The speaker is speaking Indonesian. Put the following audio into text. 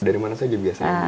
dari mana saja biasanya